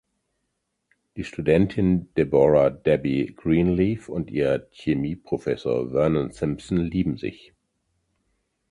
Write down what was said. Die Studentin Deborah ‚Debbie‘ Greenleaf und ihr Chemieprofessor Vernon Simpson lieben sich.